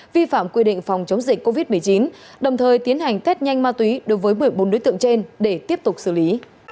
vi phạm quy định phòng chống dịch covid một mươi chín đồng thời tiến hành test nhanh ma túy đối với một mươi bốn đối tượng trên để tiếp tục xử lý